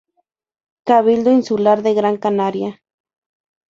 Cabildo Insular de Gran Canaria.